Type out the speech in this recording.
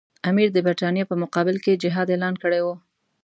امیر د برټانیې په مقابل کې جهاد اعلان کړی وو.